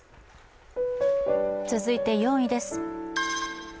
続いて４位です。